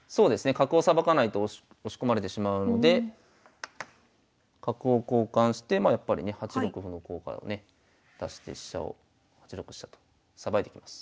角をさばかないと押し込まれてしまうので角を交換してまあやっぱりね８六歩の効果をね出して飛車を８六飛車とさばいてきます。